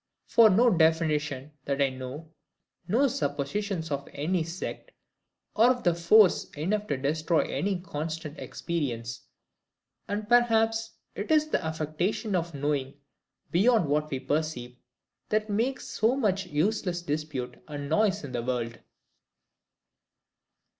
For no definitions that I know, no suppositions of any sect, are of force enough to destroy constant experience; and perhaps it is the affectation of knowing beyond what we perceive, that makes so much useless dispute and noise in the world.